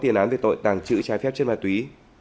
tiền án về tội tàng trữ trái phép trên ma túy